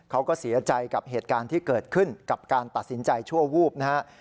เขาก็เสียใจกับเหตุการณ์ที่เกิดขึ้นกับการตัดสินใจชั่ววูบนะฮะ